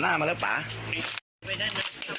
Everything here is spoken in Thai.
ขอบคุณครับ